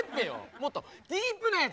もっとディープなやつ！